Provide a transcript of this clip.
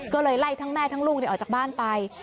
ก็เลยไล่ทั้งแม่ทั้งลูกออกจากบ้านไป